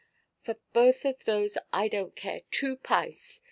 "For both of those I donʼt care two pice.